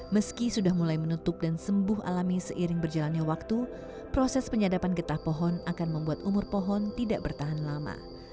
meski sudah mulai menutup dan sembuh alami seiring berjalannya waktu proses penyadapan getah pohon akan membuat umur pohon tidak bertahan lama